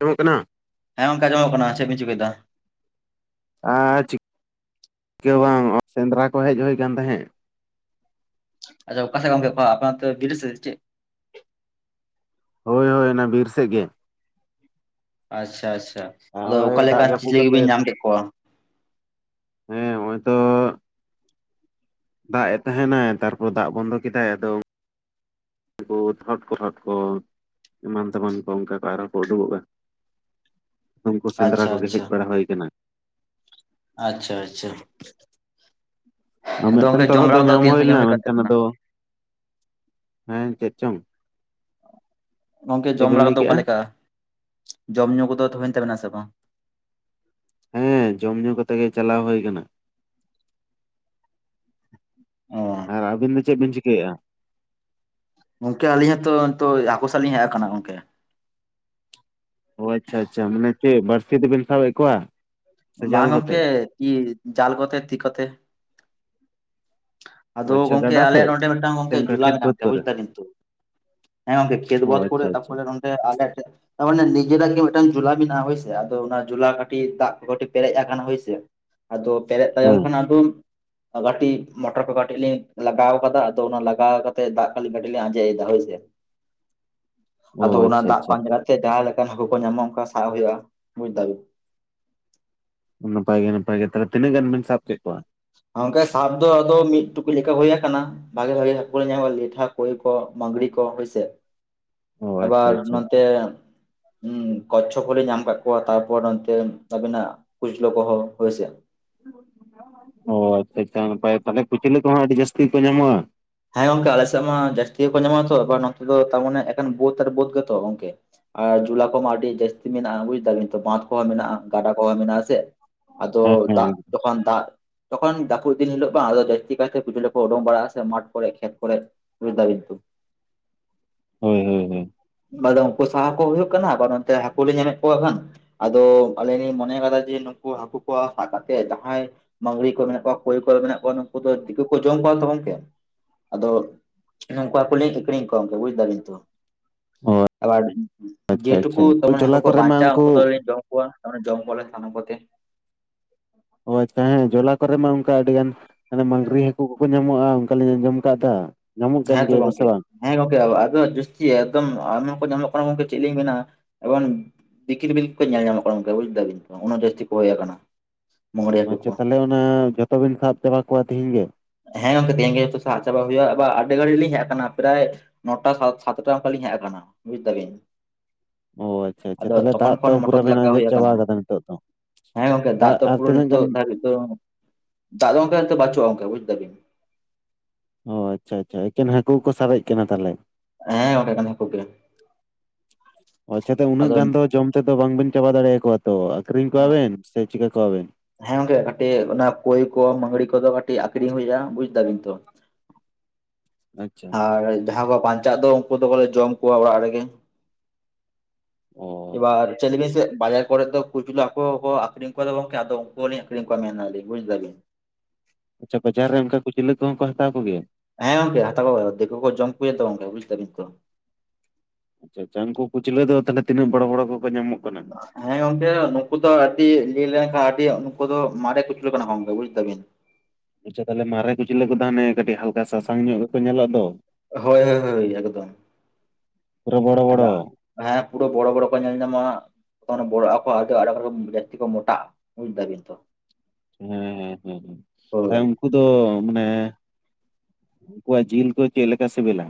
ᱟᱸᱡᱚᱢᱚᱜ ᱠᱟᱱᱟ? ᱦᱮᱸ ᱜᱚᱝᱠᱮ ᱟᱸᱡᱚᱢᱚᱜ ᱠᱟᱱᱟ ᱪᱮᱫ ᱵᱤᱱ ᱪᱤᱠᱟᱹᱭ ᱫᱟ? ᱟᱨ ᱪᱤᱠᱟᱹ ᱜᱮ ᱵᱟᱝ ᱱᱚᱜᱼᱚᱭ ᱥᱮᱸᱫᱽᱨᱟ ᱠᱚ ᱦᱮᱡ ᱦᱩᱭ ᱟᱠᱟᱱ ᱛᱟᱦᱮᱸᱫ ᱾ ᱟᱪᱪᱷᱟ ᱚᱠᱟᱥᱮᱜ ᱜᱚᱝᱠᱮ ᱟᱯᱮ ᱚᱱᱛᱮ ᱵᱤᱨ ᱥᱮ ᱪᱮᱫ ᱾ ᱦᱚᱭ ᱦᱚᱭ ᱚᱱᱟ ᱵᱤᱨ ᱥᱮᱫ ᱜᱮ ᱾ ᱟᱪᱪᱷᱟ ᱟᱪᱪᱷᱟ ᱟᱫᱚ ᱚᱠᱟ ᱱᱚᱜᱼᱚᱭ ᱫᱟᱜ ᱞᱮᱠᱟᱱ ᱡᱟᱹᱯᱩᱫ ᱪᱤᱞᱤ ᱵᱤᱱ ᱠᱟᱛᱮᱫ ᱧᱟᱢ ᱠᱮᱫ ᱠᱚᱣᱟ? ᱦᱮᱸ ᱱᱚᱜ ᱚᱭ ᱛᱚ ᱾ ᱫᱟᱜ ᱮ ᱛᱟᱦᱸᱮᱱᱟᱭ ᱛᱟᱨᱯᱚᱨ ᱫᱟᱜ ᱵᱚᱱᱫᱚ ᱠᱮᱫᱟᱭ ᱟᱫᱚ [inaudible] ᱮᱢᱟᱱ ᱛᱟᱢᱟᱱ ᱠᱚ ᱚᱱᱠᱟᱜᱮ ᱟᱨᱦᱚᱸ ᱠᱚ ᱩᱰᱩᱠᱚᱜᱼᱟ ᱾ ᱩᱱᱠᱩ ᱥᱮᱸᱫᱽᱨᱟ ᱟᱪᱪᱷᱟ ᱠᱚᱜᱮ ᱦᱮᱡ ᱟᱪᱪᱷᱟ ᱵᱟᱲᱟ ᱦᱩᱭ ᱟᱠᱟᱱᱟ ᱾ ᱟᱪᱪᱷᱟ ᱟᱪᱪᱷᱟ ᱾ ᱟᱻ ᱢᱤᱫᱴᱮᱱ ᱛᱚᱨᱦᱚᱫ ᱫᱚ ᱵᱟᱲᱟ ᱠᱚᱫᱚ ᱧᱟᱢ ᱛᱤᱱ ᱦᱩᱭ ᱥᱟᱺᱜᱤᱧ ᱞᱮᱱᱟ ᱠᱟᱱ ᱢᱮᱱᱠᱷᱟᱱ ᱛᱟᱵᱤᱱᱟ? ᱟᱫᱚ ᱦᱮᱸ ᱪᱮᱫ ᱪᱚᱝ ᱾ ᱜᱚᱝᱠᱮ ᱡᱚᱢ ᱵᱟᱲᱟ ᱠᱚᱫᱚ ᱚᱠᱟ ᱞᱮᱠᱟ, ᱡᱚᱢ ᱧᱩ ᱠᱚᱫᱚ ᱦᱩᱭᱮᱱ ᱛᱟᱹᱵᱤᱱᱟ ᱥᱮ ᱵᱟᱝ? ᱦᱮᱸ ᱡᱚᱢ ᱧᱩ ᱠᱟᱛᱮ ᱜᱮ ᱪᱟᱞᱟᱣ ᱦᱩᱭ ᱟᱠᱟᱱᱟ ᱾ ᱚᱸᱻ ᱟᱨ ᱟᱹᱵᱤᱱ ᱫᱚ ᱪᱮᱫ ᱵᱤᱱ ᱪᱤᱠᱟᱹᱭᱮᱜᱼᱟ? ᱜᱚᱝᱠᱮ ᱟᱹᱞᱤᱧ ᱦᱚᱸᱛᱚ ᱱᱤᱛᱚᱜ ᱦᱟᱹᱠᱩ ᱥᱟᱵ ᱞᱤᱧ ᱦᱮᱡ ᱟᱠᱟᱱᱟ ᱜᱚᱝᱠᱮ ᱾ ᱚ ᱟᱪᱪᱷᱟ ᱟᱪᱪᱷᱟ ᱢᱟᱱᱮ ᱪᱮᱫ ᱵᱟᱹᱲᱥᱤ ᱛᱮᱵᱤᱱ ᱥᱟᱵᱮᱫ ᱠᱚᱣᱟ? ᱥᱮ ᱵᱟᱝ ᱡᱟᱞ ᱠᱟᱛᱮ? ᱜᱚᱝᱠᱮ ᱛᱤ ᱡᱟᱞ ᱠᱚᱛᱮ ᱛᱤ ᱠᱚᱛᱮ ᱾ ᱚ ᱟᱫᱚ ᱟᱪᱪᱷᱟ ᱜᱚᱝᱠᱮ ᱜᱟᱰᱟ ᱥᱮᱫ ᱟᱞᱮᱭᱟᱜ ᱱᱚᱸᱰᱮ ᱢᱤᱫᱴᱟᱱ ᱥᱮ ᱜᱚᱝᱠᱮ ᱚᱱᱠᱟ ᱡᱩᱞᱟ ᱠᱷᱮᱛ ᱢᱮᱱᱟᱜ ᱵᱟᱹᱫᱽ ᱛᱟᱞᱮᱭᱟ ᱵᱩᱡ ᱠᱚᱨᱮ ᱠᱮᱫᱟ ᱵᱤᱱ ᱛᱚ ᱦᱮᱸ ᱜᱟᱝᱠᱮ ᱠᱷᱮᱛ ᱚ ᱵᱟᱹᱫᱽ ᱠᱚᱨᱮ ᱟᱪᱪᱷᱟ ᱟᱪᱪᱷᱟ ᱛᱟᱯᱚᱨᱮ ᱟᱞᱮ ᱴᱷᱮᱡ ᱛᱟᱨᱢᱟᱱᱮ ᱱᱤᱡᱮᱨᱟᱜ ᱜᱮ ᱢᱤᱫᱴᱟᱹᱝ ᱡᱩᱞᱟ ᱢᱮᱱᱟᱜᱼᱟ ᱦᱳᱭᱥᱮ ᱟᱫᱚ ᱚᱱᱟ ᱡᱩᱞᱟ ᱠᱟᱹᱴᱤᱡ ᱫᱟᱜ [unintelligible] ᱯᱮᱨᱮᱡ ᱟᱠᱟᱱᱟ ᱦᱚᱭᱥᱮ ᱟᱫᱚ ᱯᱮᱨᱮᱡ ᱛᱟᱭᱚᱢ ᱦᱮᱸ ᱠᱷᱟᱱᱟᱜ ᱫᱩ ᱠᱟᱹᱴᱤᱡ ᱢᱚᱴᱚᱨ ᱠᱚ ᱠᱟᱹᱴᱤᱡ ᱞᱤᱧ ᱞᱟᱜᱟᱣ ᱟᱠᱟᱫᱟ ᱟᱫᱚ ᱚᱱᱟ ᱞᱟᱜᱟᱣ ᱠᱟᱛᱮᱫ ᱫᱟᱜ ᱠᱟᱹᱴᱤᱡ ᱞᱤᱧ ᱟᱸᱡᱮᱫ ᱮᱫᱟ ᱦᱚᱭᱥᱮ ᱚ ᱾ [inaudible] ᱟᱫᱚ ᱚᱱᱟ ᱟᱪᱪᱷᱟ ᱫᱟᱜ ᱟᱪᱪᱷᱟ ᱯᱟᱸᱡ ᱠᱟᱛᱮ ᱡᱟᱦᱟᱸᱞᱮᱠᱟᱱ ᱦᱟᱹᱠᱩ ᱠᱚ ᱧᱟᱢᱚᱜ ᱚᱱᱠᱟ ᱥᱟᱵ ᱦᱩᱭᱩᱜᱼᱟ ᱵᱩᱡ ᱮᱫᱟ ᱵᱤᱱ ᱾ ᱱᱟᱯᱟᱭ ᱜᱮ ᱱᱟᱯᱟᱭ ᱜᱮ ᱛᱟᱦᱚᱞᱮ ᱛᱤᱱᱟᱹᱜ ᱜᱟᱱ ᱵᱤᱱ ᱥᱟᱵ ᱠᱮᱫ ᱠᱚᱣᱟ? ᱜᱚᱢᱠᱮ ᱥᱟᱵ ᱫᱚ ᱟᱫᱚ ᱢᱤᱫ ᱴᱩᱠᱩᱡ ᱞᱮᱠᱟ ᱦᱩᱭ ᱟᱠᱟᱱᱟ ᱾ ᱵᱷᱟᱹᱜᱤ ᱵᱷᱟᱹᱜᱤ ᱦᱟᱹᱠᱩ ᱞᱮ ᱧᱟᱢ ᱞᱤᱴᱷᱟ ᱠᱷᱚᱭ ᱠᱚ ᱢᱟᱜᱽᱨᱤ ᱠᱚ ᱦᱚᱭ ᱥᱮ ᱚ ᱟᱪᱪᱷᱟ ᱟᱵᱟᱨ ᱟᱪᱪᱷᱟ ᱛᱮ [inaudible] ᱠᱚᱪᱷᱚᱯ ᱠᱚᱞᱮ ᱧᱟᱢ ᱟᱠᱟᱫ ᱠᱚᱣᱟ ᱛᱟᱨᱯᱚᱨ ᱚᱱᱛᱮ ᱟᱹᱵᱤᱱᱟᱜ ᱠᱩᱪᱞᱟᱹ ᱠᱚᱦᱚᱸ ᱦᱚᱭᱥᱮ ᱾ ᱦᱚᱭ ᱟᱪᱷᱟ ᱟᱪᱷᱟ ᱱᱟᱯᱟᱭ ᱛᱟᱦᱚᱞᱮ ᱠᱩᱪᱞᱟᱹ ᱠᱚᱦᱚᱸ ᱟᱹᱰᱤ ᱡᱟᱹᱥᱛᱤ ᱜᱮᱠᱚ ᱧᱟᱢᱚᱜ-ᱟ? ᱦᱮᱸ ᱜᱚᱝᱠᱮ ᱟᱞᱮ ᱥᱮᱫ ᱢᱟ ᱡᱟᱹᱥᱛᱤ ᱜᱮᱠᱚ ᱧᱟᱢᱚᱜ-ᱟ ᱛᱚ ᱮᱵᱟᱨ ᱱᱚᱛᱮ ᱫᱚ ᱛᱟᱨᱢᱟᱱᱮ ᱮᱠᱮᱱ ᱵᱟᱹᱫ ᱟᱨ ᱵᱟᱹᱫ ᱜᱮᱛᱚ ᱜᱚᱝᱠᱮ ᱾ ᱟᱨ ᱡᱩᱞᱟ ᱠᱚᱢᱟ ᱟᱹᱰᱤ ᱡᱟᱹᱛᱤ ᱜᱮ ᱢᱮᱱᱟᱜ-ᱟ ᱵᱩᱡᱽ ᱮᱫᱟ ᱵᱤᱱ ᱛᱚ ᱵᱟᱸᱫᱷ ᱠᱚᱦᱚᱸ ᱢᱮᱱᱟᱜ-ᱟ ᱾ ᱜᱟᱰᱟ ᱠᱚᱦᱚᱸ ᱢᱮᱱᱟᱜ-ᱟ ᱾ ᱥᱮ ᱟᱫᱚ ᱦᱮᱸ ᱫᱟᱜ ᱦᱮᱸ ᱡᱚᱠᱷᱚᱱ ᱫᱟᱜ ᱛᱚᱠᱷᱚᱱ ᱡᱟᱹᱯᱩᱫ ᱫᱤᱱ ᱦᱤᱞᱚᱜ ᱵᱟᱝ ᱫᱚ ᱡᱟᱹᱥᱛᱤ ᱠᱟᱭᱛᱮ ᱠᱩᱪᱞᱟᱹ ᱠᱚ ᱩᱰᱩᱠ ᱵᱟᱲᱟᱜ-ᱟ ᱥᱮ ᱢᱟᱴᱷ ᱠᱚᱨᱮ ᱠᱷᱮᱛ ᱠᱚᱨᱮ ᱵᱩᱡᱽ ᱮᱫᱟ ᱵᱤᱱ ᱛᱚ ᱾ ᱦᱚᱭ ᱦᱚᱭ ᱦᱚᱭ ᱟᱫᱚ ᱩᱱᱠᱩ ᱥᱟᱦᱟ ᱠᱚ ᱦᱩᱭᱩᱜ ᱠᱟᱱᱟ ᱟᱨ ᱱᱚᱛᱮ ᱦᱟᱹᱠᱩ ᱞᱤᱧ ᱧᱟᱢᱮᱫ ᱠᱚᱣᱟ ᱠᱷᱟᱱ ᱾ ᱟᱫᱚ ᱟᱹᱞᱤᱧ ᱞᱤᱧ ᱢᱚᱱᱮ ᱟᱠᱟᱫᱟ ᱡᱮ ᱱᱩᱠᱩ ᱦᱟᱹᱠᱩ ᱠᱚ ᱥᱟᱵ ᱠᱟᱛᱮᱜ ᱡᱟᱦᱟᱸᱭ ᱢᱟᱹᱜᱽᱨᱤ ᱠᱚ ᱢᱮᱱᱟᱜ ᱠᱚᱣᱟ ᱠᱷᱚᱭ ᱠᱚᱨᱮ ᱢᱮᱱᱟᱜ ᱠᱚᱣᱟ ᱱᱩᱠᱩ ᱫᱚ ᱫᱤᱠᱩ ᱠᱚ ᱡᱚᱢ ᱠᱚᱣᱟ ᱛᱚ ᱜᱚᱢᱠᱮ ᱾ ᱟᱫᱚ ᱱᱚᱝᱠᱩ ᱠᱚᱞᱤᱧ ᱠᱤᱨᱤᱧ ᱠᱚᱣᱟ ᱜᱚᱢᱠᱮ ᱵᱩᱡ ᱫᱟ ᱵᱤᱱ ᱛᱚ ᱾ ᱦᱚᱭ᱾ ᱟᱵᱟᱨ ᱡᱮᱴᱩᱠᱩ ᱫᱚᱢᱮ ᱦᱟᱹᱠᱩ ᱠᱚ ᱠᱚᱨᱮ ᱢᱟ ᱵᱟᱧᱪᱟᱜ ᱩᱱᱠᱩ ᱫᱚᱞᱤᱧ ᱫᱚᱦᱚ ᱠᱚᱣᱟ᱾ ᱚᱱᱮ ᱡᱚᱢ ᱠᱚᱣᱟᱞᱮ ᱥᱟᱱᱟᱢ ᱠᱚᱛᱮ᱾ ᱦᱚᱭ ᱛᱟᱦᱮᱸ ᱡᱚᱞᱟ ᱠᱚᱨᱮ ᱢᱟ ᱚᱱᱠᱟ ᱟᱹᱰᱤ ᱜᱟᱱ ᱢᱟᱝᱽᱨᱤ ᱦᱟᱹᱠᱩ ᱠᱚ ᱠᱚ ᱧᱟᱢᱚᱜᱼᱟ ᱚᱱᱠᱟᱞᱤᱧ ᱟᱸᱡᱚᱢ ᱟᱠᱟᱫᱟ᱾ ᱦᱮᱸ ᱛᱚ ᱜᱚᱢᱠᱮ᱾ ᱦᱮᱸ ᱜᱚᱝᱠᱮ ᱟᱫᱚ ᱡᱟᱥᱛᱤ ᱮᱠᱫᱚᱢ ᱟᱭᱢᱟᱠᱚ ᱧᱟᱢᱚᱜ ᱠᱟᱱᱟ ᱜᱚᱝᱠᱮ ᱪᱮᱫ ᱞᱤᱧ ᱢᱮᱱᱟ ᱮᱵᱚᱝ ᱛᱤᱠᱤᱞ ᱵᱤᱞ ᱠᱚ ᱧᱮᱞ ᱧᱟᱢᱚᱜ ᱠᱟᱱᱟ ᱜᱚᱝᱠᱮ ᱵᱩᱡ ᱫᱟᱵᱤᱱ ᱛᱚ ᱚᱱᱟ ᱡᱟᱹᱥᱛᱤ ᱠᱚᱭ ᱟᱠᱟᱱᱟ᱾ ᱢᱟᱹᱜᱽᱨᱤ ᱦᱟᱹᱠᱩ ᱠᱚ ᱟᱪᱷᱟ ᱛᱟᱦᱚᱞᱮ ᱚᱱᱟ ᱡᱚᱛᱚ ᱵᱤᱱ ᱥᱟᱵ ᱪᱟᱵᱟ ᱠᱚᱣᱟ ᱛᱮᱦᱮᱧ ᱜᱮ? ᱦᱮᱸ ᱜᱚᱝᱠᱮ ᱛᱮᱦᱮᱧ ᱜᱮ ᱡᱚᱛᱚ ᱥᱟᱵ ᱪᱟᱵᱟ ᱦᱩᱭᱩᱜᱼᱟ, ᱟᱵᱟᱨ ᱟᱹᱰᱤ ᱜᱷᱟᱹᱲᱤᱠ ᱞᱤᱧ ᱦᱮᱡ ᱟᱠᱟᱱᱟ ᱯᱨᱟᱭ ᱱᱚᱴᱟ ᱥᱟᱛᱴᱟ ᱚᱱᱠᱟ ᱞᱤᱧ ᱦᱮᱡ ᱟᱠᱟᱱᱟ ᱵᱩᱡ ᱮᱫᱟᱵᱤᱱ? ᱚᱸ ᱟᱪᱷᱟ ᱟᱪᱷᱟ ᱛᱟᱦᱚᱞᱮ ᱫᱟᱜ ᱛᱚ ᱯᱩᱨᱟᱹ ᱫᱚ ᱵᱤᱱ ᱞᱟᱜᱟᱣ ᱟᱸᱡᱮᱫ ᱦᱩᱭ ᱪᱟᱵᱟ ᱟᱠᱟᱱᱟ ᱟᱠᱟᱫᱟ ᱱᱤᱛᱚᱜ ᱫᱚ᱾ ᱦᱮᱸ ᱜᱚᱝᱠᱮ ᱫᱟᱜ ᱫᱚ ᱟᱨ ᱯᱩᱨᱟᱹ ᱛᱤᱱᱟᱹᱜ ᱜᱟᱱ ᱱᱤᱛᱚᱜ ᱫᱷᱟᱨᱤ ᱛᱚ ᱫᱟᱜ ᱫᱚ ᱜᱚᱝᱠᱮ ᱱᱤᱛᱚᱜ ᱵᱟᱪᱩᱜᱼᱟ ᱚᱱᱠᱟ ᱵᱩᱡ ᱫᱟᱵᱤᱱ᱾ ᱚᱸ ᱟᱪᱷᱟ ᱟᱪᱷᱟ ᱮᱠᱮᱱ ᱦᱟᱹᱠᱩ ᱜᱮᱠᱚ ᱥᱟᱨᱮᱡ ᱟᱠᱟᱱᱟ ᱛᱟᱦᱚᱞᱮ᱾ ᱦᱮᱸ ᱜᱚᱝᱠᱮ ᱮᱠᱮᱱ ᱦᱟᱹᱠᱩ ᱜᱮ᱾ ᱟᱪᱷᱟ ᱛᱚ ᱩᱱᱟᱹᱜ ᱟᱫᱚ ᱜᱟᱱ ᱫᱚ ᱡᱚᱢ ᱛᱮᱫᱚ ᱵᱟᱝ ᱵᱤᱱ ᱪᱟᱵᱟ ᱫᱟᱲᱮᱭᱟᱠᱚᱣᱟ ᱛᱚ, ᱟᱠᱷᱨᱤᱧ ᱠᱚᱣᱟ ᱵᱤᱱ ᱥᱮ ᱪᱤᱠᱟ ᱠᱚᱣᱟᱵᱤᱱ? ᱦᱮᱸ ᱜᱚᱝᱠᱮ ᱠᱟᱹᱴᱤᱡ ᱚᱱᱟ ᱠᱚᱭ ᱠᱚ ᱢᱟᱹᱜᱽᱨᱤ ᱠᱚᱫᱚ ᱠᱟᱹᱴᱤᱡ ᱟᱠᱷᱨᱤᱧ ᱦᱩᱭᱩᱜᱼᱟ ᱵᱩᱡ ᱫᱟᱵᱤᱱ ᱛᱚ᱾ ᱟᱪᱪᱷᱟ ᱟᱨ ᱡᱟᱦᱟᱸ ᱠᱚ ᱵᱟᱧᱪᱟᱜ ᱫᱚ ᱩᱱᱠᱩ ᱫᱚ ᱠᱚᱞᱮ ᱡᱚᱢ ᱠᱚᱣᱟ ᱚᱲᱟᱜ ᱨᱮᱜᱮ᱾ ᱚ ᱮᱵᱟᱨ ᱪᱮᱫ ᱟᱪᱪᱷᱟ ᱵᱤᱱ ᱟᱪᱪᱷᱟ ᱥᱮ ᱵᱟᱡᱟᱨ ᱠᱚᱨᱮ ᱛᱚ ᱠᱩᱪᱞᱟ ᱠᱚ ᱟᱹᱠᱷᱨᱤᱧ ᱠᱚᱣᱟᱫᱟ ᱜᱚᱝᱠᱮ ᱟᱫᱚ ᱩᱱᱠᱩ ᱦᱚᱸ ᱞᱤᱧ ᱟᱠᱷᱨᱤᱧ ᱠᱚᱣᱟ ᱢᱮᱱ ᱮᱫᱟᱞᱤᱧ ᱵᱩᱡ ᱮᱫᱟ ᱵᱤᱱ᱾ ᱟᱪᱷᱟ ᱵᱟᱡᱟᱨ ᱨᱮ ᱚᱱᱠᱟ ᱠᱩᱪᱞᱟᱹ ᱠᱚᱦᱚᱸ ᱠᱚ ᱦᱟᱛᱟᱣ ᱠᱚᱜᱮᱭᱟ? ᱦᱮᱸ ᱜᱚᱝᱠᱮ ᱦᱟᱛᱟᱣ ᱠᱚᱜᱮᱭᱟᱠᱚ ᱫᱤᱠᱩ ᱠᱚᱦᱚᱸ ᱠᱚ ᱡᱚᱢ ᱠᱚᱜᱮᱭᱟ ᱚᱸᱰᱮ ᱛᱚ ᱵᱩᱡ ᱫᱟᱵᱤᱱ ᱛᱚ᱾ ᱟᱪᱷᱟ ᱩᱱᱠᱩ ᱠᱩᱪᱞᱟᱹ ᱫᱚ ᱛᱤᱱᱟᱹᱜ ᱵᱚᱲᱚ ᱵᱚᱲᱚ ᱠᱚᱠᱚ ᱧᱟᱢᱚᱜ ᱠᱟᱱᱟ? ᱦᱮᱸ ᱜᱚᱝᱠᱮ ᱱᱩᱠᱩ ᱫᱚ ᱟᱹᱰᱤ ᱞᱟᱹᱭ ᱞᱮᱱᱠᱷᱟᱱ ᱟᱹᱰᱤ ᱱᱩᱠᱩ ᱫᱚ ᱢᱟᱨᱮ ᱠᱩᱪᱞᱟᱹ ᱠᱟᱱᱟ ᱠᱚ ᱜᱚᱝᱠᱮ ᱵᱩᱡ ᱫᱟᱵᱤᱱ ᱾ ᱟᱪᱷᱟ ᱛᱟᱦᱚᱞᱮ ᱢᱟᱨᱮ ᱠᱩᱪᱞᱟᱹ ᱠᱚᱫᱚ ᱢᱟᱱᱮ ᱠᱟᱴᱤᱡ ᱦᱟᱞ ᱥᱟᱥᱟᱝ ᱧᱚᱜ ᱜᱮᱠᱚ ᱧᱮᱞᱚᱜ ᱫᱚ᱾ ᱦᱳᱭ ᱦᱳᱭ ᱦᱳᱭ ᱮᱠᱫᱚᱢ ᱯᱩᱨᱟᱹ ᱵᱚᱲᱚ ᱟᱫᱚ ᱵᱚᱲᱚ᱾ ᱦᱮᱸ ᱯᱩᱨᱟᱹ ᱵᱚᱲᱚ ᱵᱚᱲᱚ ᱠᱚ ᱧᱮᱞ ᱧᱟᱢᱚᱜᱼᱟ᱾ ᱠᱚᱱᱚ ᱵᱚᱲᱚ ᱟᱠᱚ ᱡᱟᱹᱛᱤ ᱠᱚ ᱢᱚᱴᱟᱜᱼᱟ ᱵᱩᱡ ᱮᱫᱟ ᱵᱤᱱ ᱛᱚ᱾ ᱦᱮᱸ ᱦᱮᱸ ᱦᱮᱸ ᱦᱸ ᱦᱳᱭ [inaudible] ᱩᱱᱠᱩ ᱫᱚ ᱢᱟᱱᱮ ᱩᱱᱠᱩᱣᱟᱜ ᱡᱤᱞ ᱠᱚ ᱪᱮᱫ ᱞᱮᱠᱟ ᱥᱤᱵᱤᱞᱟ?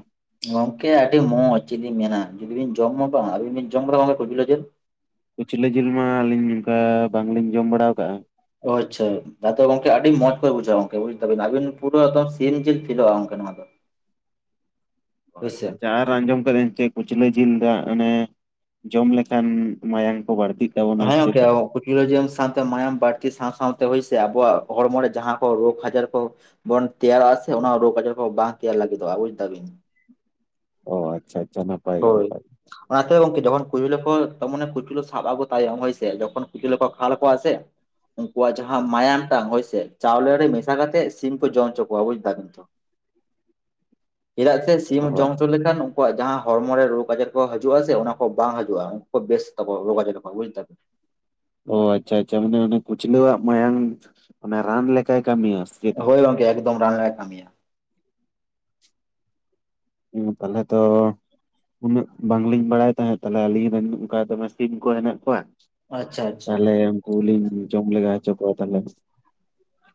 ᱜᱚᱝᱠᱮ ᱟᱹᱰᱤ ᱢᱚᱸᱡᱽ ᱪᱮᱫᱞᱤᱧ ᱢᱮᱱᱟ ᱡᱩᱫᱤ ᱵᱤᱱ ᱡᱚᱢᱟ ᱵᱟᱝ ᱟᱹᱵᱤᱱ ᱵᱤᱱ ᱡᱚᱢ ᱠᱟᱫᱟ ᱟᱵᱤᱱ ᱵᱤᱱ ᱡᱚᱢ ᱠᱟᱫᱟ ᱠᱩᱪᱞᱟᱹ ᱡᱤᱞ? ᱠᱩᱪᱞᱟᱹ ᱡᱤᱞ ᱢᱟ ᱟᱹᱞᱤᱧ ᱱᱚᱝᱠᱟ ᱵᱟᱝᱞᱤᱧ ᱡᱚᱢ ᱵᱟᱲᱟ ᱟᱠᱟᱜᱼᱟ᱾ ᱟᱪᱷᱟ ᱟᱫᱚ ᱜᱚᱝᱠᱮ ᱟᱹᱰᱤ ᱢᱚᱸᱡᱽ ᱠᱚ ᱵᱩᱡᱷᱟᱹᱣᱟ ᱜᱚᱝᱠᱮ ᱵᱩᱡ ᱠᱮᱫᱟᱵᱤᱱ ᱟᱹᱵᱤᱱ ᱯᱩᱨᱟᱹ ᱮᱠᱫᱚᱢ ᱥᱤᱢ ᱡᱤᱞ ᱯᱷᱮᱞᱚᱜᱼᱟ ᱱᱚᱣᱟ ᱫᱚ᱾ [inaudible] ᱚ ᱦᱳᱭ ᱥᱮ ᱟᱪᱪᱷᱟ ᱟᱪᱪᱷᱟ ᱟᱨ᱾ ᱟᱸᱡᱚᱢ ᱠᱟᱫᱟᱹᱧ ᱥᱮ ᱠᱩᱪᱞᱟᱹ ᱡᱤᱞ ᱫᱟᱜ ᱚᱱᱮ ᱡᱚᱢ ᱞᱮᱠᱷᱟᱱ ᱢᱟᱭᱟᱝ ᱠᱚ ᱵᱟᱹᱲᱛᱤᱜ ᱛᱟᱵᱚᱱᱟ ᱦᱮ ᱚᱝᱠᱮ ᱪᱮᱛᱟ? ᱠᱩᱪᱤᱞᱟᱹ ᱡᱮᱞ ᱥᱟᱶᱛᱮ ᱢᱟᱭᱟᱢ ᱵᱟᱹᱲᱛᱤ ᱥᱟᱶ ᱥᱟᱶᱛᱮ ᱦᱳᱭᱥᱮ ᱟᱵᱚᱣᱟᱜ ᱦᱚᱲᱢᱚ ᱨᱮ ᱡᱟᱦᱟᱸ ᱠᱚ ᱨᱳᱜᱽ ᱟᱡᱟᱨ ᱠᱚ ᱵᱚᱱ ᱛᱮᱭᱟᱨᱚᱜ ᱟ ᱥᱮ ᱚᱱᱟ ᱨᱳᱜ ᱟᱡᱟᱨ ᱠᱚ ᱵᱟᱝ ᱛᱮᱭᱟᱨ ᱞᱟᱹᱜᱤᱫᱚᱜᱼᱟ ᱵᱩᱡ ᱫᱟ ᱵᱤᱱ᱾ ᱚ ᱟᱪᱪᱷᱟ ᱟᱪᱪᱷᱟ᱾ ᱜᱮ ᱦᱳᱭ᱾ ᱱᱟᱯᱟᱭ ᱜᱮ᱾ ᱚᱱᱟᱛᱮ ᱜᱚᱝᱠᱮ ᱡᱚᱠᱷᱚᱱ ᱠᱩᱭᱞᱟ. ᱠᱷᱚᱱ ᱢᱟᱱᱮ ᱠᱩᱪᱞᱟᱹ ᱥᱟᱵ ᱟᱜᱩ ᱛᱟᱭᱚᱢ ᱦᱳᱭ ᱥᱮ ᱡᱚᱠᱷᱚᱱ ᱠᱩᱪᱞᱟᱹ ᱠᱚ ᱠᱷᱟᱞ ᱠᱚᱣᱟ ᱥᱮ ᱩᱱᱠᱩᱣᱟᱜ ᱡᱟᱦᱟᱸ ᱢᱟᱭᱟᱢ ᱴᱟᱝ ᱦᱳᱭᱥᱮ ᱪᱟᱣᱞᱮ ᱨᱮ ᱢᱮᱥᱟ ᱠᱟᱛᱮᱫ ᱥᱤᱢ ᱠᱚ ᱡᱚᱢ ᱦᱚᱪᱚ ᱠᱚᱣᱟ ᱵᱩᱡᱫᱟ ᱵᱮᱱ ᱛᱷᱚ ᱪᱮᱫᱟᱜ ᱥᱮ ᱥᱤᱢ ᱦᱳᱭ ᱡᱚᱢ ᱦᱚᱪᱚ ᱞᱮᱠᱷᱟᱱ ᱩᱱᱠᱩᱣᱟᱜ ᱡᱟᱦᱟᱸᱼᱼ ᱦᱚᱲᱢᱚ ᱨᱮ ᱨᱳᱜᱽ ᱟᱡᱟᱨ ᱠᱚ ᱦᱤᱡᱩᱜᱼᱟ ᱥᱮ ᱚᱱᱟ ᱠᱚ ᱵᱟᱝ ᱦᱤᱡᱩᱜᱼᱟ ᱩᱱᱠᱩ ᱵᱮᱥ ᱛᱟᱠ ᱨᱳᱜᱽ ᱟᱡᱟᱨ ᱠᱚ ᱵᱩᱡ ᱫᱟᱵᱮᱱ ᱚ ᱟᱪᱪᱷᱟ ᱟᱪᱪᱷᱟ ᱢᱟᱱᱮ ᱚᱱᱮ ᱠᱩᱪᱞᱟᱹᱣᱟᱜ ᱢᱟᱭᱟᱝ ᱮ ᱨᱟᱱ ᱞᱮᱠᱟᱭ ᱠᱟᱹᱢᱤᱭᱟ ᱪᱮᱛᱟ? ᱦᱳᱭ ᱜᱚᱢᱠᱮ ᱮᱠᱫᱚᱢ ᱨᱟᱱ ᱞᱮᱠᱟᱭ ᱠᱟᱹᱢᱤᱭᱟ ᱦᱚᱸ ᱛᱟᱦᱚᱞᱮ ᱛᱚ ᱩᱱᱟᱹᱜ ᱵᱟᱝᱞᱤᱧ ᱵᱟᱲᱟᱭ ᱛᱟᱦᱮᱸᱫ ᱛᱟᱦᱚᱞᱮ ᱟᱹᱞᱤᱧ ᱨᱮᱱ ᱚᱱᱠᱟ ᱫᱚᱢᱮ ᱥᱤᱢ ᱠᱚ ᱦᱮᱱᱟᱜ ᱠᱚᱣᱟ ᱟᱪᱪᱷᱟ ᱟᱪᱪᱷᱟ᱾ ᱛᱟᱦᱚᱞᱮ ᱩᱱᱠᱚ ᱞᱤᱧ ᱡᱚᱢ ᱞᱮᱜᱟ ᱦᱚᱪᱚ ᱠᱚᱣᱟ ᱛᱟᱦᱚᱞᱮ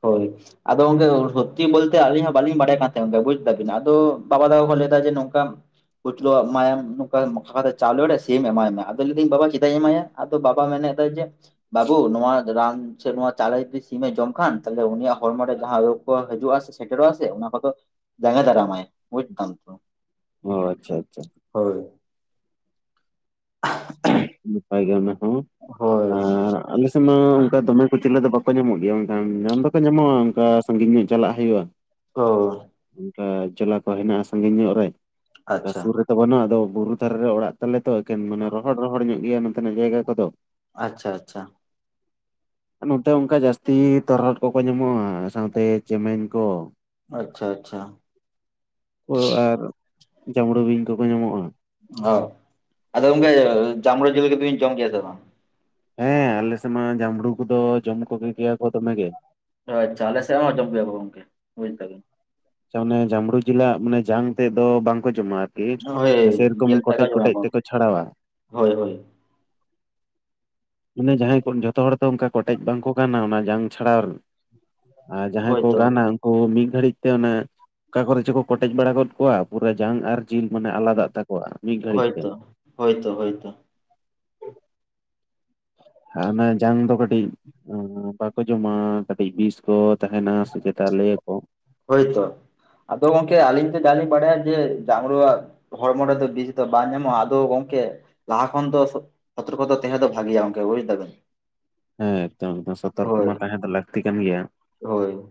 ᱦᱳᱭ ᱟᱫᱚ ᱜᱚᱝᱠᱮ ᱥᱚᱛᱛᱤ ᱵᱚᱞᱛᱮ ᱟᱹᱞᱤᱧ ᱦᱚᱸ ᱵᱟᱹᱞᱤᱧ ᱵᱟᱲᱟᱭ ᱠᱟᱱ ᱛᱟᱦᱮᱸ ᱜᱚᱝᱠᱮ, ᱵᱩᱡ ᱫᱟᱵᱤᱱ ᱟᱫᱚ ᱵᱟᱵᱟ ᱛᱟᱠ ᱠᱚ ᱞᱟᱹᱭᱫᱟ ᱡᱮ ᱱᱚᱝᱠᱟᱼᱼ ᱠᱩᱪᱞᱟᱹ ᱟᱜ ᱢᱟᱭᱟᱢ ᱱᱚᱠᱟ ᱢᱟᱠᱷᱟᱣ ᱠᱟᱛᱮ ᱪᱟᱣᱞᱮ ᱨᱮ ᱥᱤᱢ ᱮᱢᱟᱭ ᱢᱮ, ᱟᱫᱚ ᱞᱟᱹᱭ ᱫᱟᱹᱧ ᱵᱟᱵᱟ ᱪᱮᱫᱟᱭ ᱤᱧ ᱮᱢᱟᱭᱟ ᱟᱫᱚ ᱵᱟᱵᱟ ᱢᱮᱱᱮᱫ ᱟᱭ ᱡᱮ ᱵᱟᱹᱵᱩ ᱱᱚᱣᱟ ᱨᱟᱱ ᱥᱮ ᱱᱚᱣᱟ ᱪᱟᱣᱞᱮ ᱡᱩᱫᱤ ᱥᱤᱢᱮ ᱡᱚᱢ ᱠᱷᱟᱱᱼᱼ ᱟᱫᱚ ᱩᱱᱤᱭᱟᱜ ᱦᱚᱲᱢᱚ ᱨᱮ ᱡᱟᱦᱟᱸ ᱨᱳᱜᱽ ᱠᱚ ᱦᱤᱡᱩᱜᱼᱟ ᱥᱮ ᱥᱮᱴᱮᱨᱚᱜᱼᱟ ᱥᱮ ᱚᱱᱟ ᱠᱚᱫᱚᱼᱼ ᱡᱟᱸᱜᱮ ᱫᱟᱨᱟᱢᱟᱭ ᱵᱩᱡ ᱫᱟᱢ ᱛᱚ ᱚ ᱟᱪᱪᱷᱟ ᱟᱪᱪᱷᱟ ᱦᱳᱭ ᱱᱟᱯᱟᱭ ᱜᱮ ᱚᱱᱟ ᱠᱚᱦᱚ ᱦᱳᱭ ᱟᱨ ᱟᱞᱮ ᱥᱮᱫ ᱢᱟ ᱚᱱᱠᱟ ᱫᱚᱢᱮ ᱠᱩᱪᱞᱟᱹ ᱫᱚ ᱵᱟᱠᱚᱼᱼ ᱵᱟᱠᱚ ᱧᱟᱢᱚᱜ ᱜᱮᱭᱟ ᱵᱟᱝᱠᱷᱟᱱ ᱧᱟᱢ ᱫᱚᱠᱚ ᱧᱟᱢᱚᱜᱼᱟ ᱚᱱᱠᱟ ᱥᱟᱺᱜᱤᱧ ᱧᱚᱜ ᱪᱟᱞᱟᱜ ᱦᱩᱭᱩᱜᱼᱟ ᱦᱳᱭ ᱚᱱᱠᱟ ᱡᱚᱞᱟ ᱠᱚ ᱦᱮᱱᱟᱜᱼᱟ ᱥᱟᱺᱜᱤᱧ ᱧᱚᱜ ᱨᱮ, ᱚᱱᱠᱟ ᱟᱪᱪᱷᱟ ᱥᱩᱨ ᱨᱮᱼᱼ ᱵᱟᱹᱱᱩᱜᱼᱟ ᱟᱫᱚ ᱵᱩᱨᱩ ᱫᱷᱟᱨᱮ ᱨᱮ ᱚᱲᱟᱜ ᱛᱟᱞᱮ ᱛᱚ ᱮᱠᱮᱱ ᱢᱟᱱᱮ ᱨᱚᱦᱚᱲ ᱨᱚᱦᱚᱲ ᱧᱚᱜ ᱜᱮᱭᱟ ᱱᱚᱛᱮᱱᱟᱜ ᱡᱟᱭᱜᱟ ᱠᱚᱫᱚ ᱟᱪᱪᱷᱟ ᱟᱪᱪᱷᱟ ᱱᱚᱛᱮ ᱚᱱᱠᱟ ᱡᱟᱹᱥᱛᱤ ᱛᱚᱨᱦᱚᱫ ᱠᱚᱠᱚ ᱧᱟᱢᱚᱜᱼᱟ ᱥᱟᱶᱛᱮ ᱪᱮᱢᱮᱧ ᱠᱚ ᱟᱪᱪᱷᱟ ᱟᱪᱪᱷᱟ ᱳ ᱟᱨ ᱡᱟᱸᱢᱲᱳ ᱵᱤᱧ ᱠᱚᱠᱚ ᱧᱟᱢᱚᱜᱼᱟ ᱦᱳᱭ ᱟᱫᱚ ᱜᱚᱝᱠᱮ ᱡᱟᱸᱢᱲᱩ ᱡᱤᱞ ᱠᱚᱫᱚ ᱵᱤᱱ ᱡᱚᱢ ᱜᱮᱭᱟ ᱥᱮ ᱵᱟᱝ ᱦᱮᱸ ᱟᱞᱮᱥᱮᱫ ᱢᱟ ᱡᱟᱢᱲᱩ ᱠᱚᱫᱚ ᱡᱚᱢ ᱠᱚᱜᱮ ᱜᱮᱭᱟ ᱠᱚ ᱫᱚᱢᱮ ᱜᱮ ᱳ ᱟᱪᱪᱷᱟ ᱟᱞᱮᱥᱮᱫ ᱦᱚᱸ ᱡᱚᱢ ᱜᱮᱭᱟ ᱠᱚ ᱜᱚᱢᱠᱮ ᱵᱩᱡ ᱫᱟ ᱵᱮᱱ ᱚᱱᱮ ᱡᱟᱢᱵᱽᱲᱩ ᱡᱤᱞᱟᱜ ᱢᱟᱱᱮ ᱡᱟᱝ ᱛᱮᱫ ᱫᱚ ᱵᱟᱝᱠᱚ ᱡᱚᱢᱟ ᱟᱨᱠᱤ ᱦᱳᱭ ᱥᱮᱨᱚᱠᱚᱢ ᱡᱮᱞ ᱛᱮᱫ ᱠᱚ ᱠᱚᱴᱮᱡ ᱡᱚᱢᱟ ᱠᱚᱴᱮᱡ ᱠᱚ ᱛᱮᱠᱚ ᱪᱷᱟᱲᱟᱣᱟ ᱦᱳᱭ ᱦᱳᱭ ᱢᱟᱱᱮ ᱡᱟᱦᱟᱸᱭ ᱠᱚ ᱡᱚᱛᱚ ᱦᱚᱲ ᱫᱚ ᱚᱱᱠᱟ ᱠᱚᱴᱮᱡ ᱵᱟᱝᱠᱚ ᱜᱟᱱᱟ ᱚᱱᱟ ᱡᱟᱝ ᱪᱷᱟᱲᱟᱣ ᱨᱮᱱᱟᱜ ᱟᱨ ᱡᱟᱦᱟᱸᱭ ᱠᱚ ᱦᱳᱭᱛᱚ ᱜᱟᱱᱟ ᱩᱱᱠᱩ ᱢᱤᱫ ᱜᱷᱟᱹᱲᱤᱡ ᱛᱮ ᱚᱱᱮ ᱠᱟᱠᱚᱨᱮ ᱪᱚᱠᱚ ᱠᱚᱴᱮᱡ ᱵᱟᱲᱟ ᱜᱚᱫ ᱠᱚᱣᱟ ᱯᱩᱨᱟᱹ ᱡᱟᱝ ᱟᱨ ᱡᱤᱞ ᱢᱟᱱᱮ ᱟᱞᱟᱫᱟᱜ ᱛᱟᱠᱚᱣᱟ ᱢᱤᱫ ᱜᱷᱟᱹᱲᱤᱡ ᱛᱮ ᱦᱳᱭ ᱛᱚ ᱦᱳᱭ ᱛᱚ ᱚᱱᱟ ᱡᱟᱝ ᱫᱚ ᱠᱟᱹᱴᱤᱡ ᱵᱟᱠᱚ ᱡᱚᱢᱟ ᱠᱟᱹᱴᱤᱡ ᱵᱤᱥ ᱠᱚ ᱛᱟᱦᱮᱱᱟ ᱥᱮᱪᱮᱛᱟ ᱞᱟᱹᱭᱟ ᱠᱚ ᱦᱳᱭᱛᱚ ᱟᱫᱚ ᱜᱚᱝᱠᱮ ᱟᱹᱞᱤᱧ ᱛᱚ ᱵᱟᱞᱤᱧ ᱵᱟᱲᱟᱭᱟ ᱡᱮ ᱡᱟᱸᱢᱲᱩᱣᱟᱜ ᱦᱚᱲᱢᱚ ᱨᱮᱫᱚ ᱵᱮᱥᱤ ᱫᱚ ᱵᱟᱝ ᱧᱟᱢᱚᱜᱼᱟ ᱟᱫᱚ ᱜᱚᱝᱠᱮ ᱞᱟᱦᱟ ᱠᱷᱚᱱ ᱫᱚ ᱥᱚᱛᱚᱨᱠᱚᱛᱟ ᱛᱮᱦᱮᱸ ᱫᱚ ᱵᱷᱟᱜᱮᱭᱟ ᱜᱚᱢᱠᱮ ᱵᱩᱡᱽ ᱫᱟᱵᱮᱱ ᱦᱮᱸ ᱛᱚ ᱮᱠᱫᱚᱢ ᱥᱚᱛᱚᱨᱠᱚ ᱢᱟ ᱛᱟᱦᱮᱸ ᱫᱚ ᱞᱟᱹᱠᱛᱤ ᱠᱟᱱ ᱜᱮᱭᱟ ᱦᱳᱭ